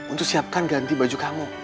untuk siapkan ganti baju kamu